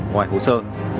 ngoài hồ sơ